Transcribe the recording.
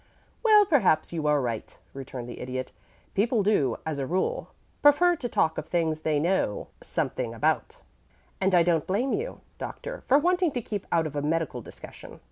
"Well, perhaps you are right," returned the Idiot. "People do, as a rule, prefer to talk of things they know something about, and I don't blame you, Doctor, for wanting to keep out of a medical discussion.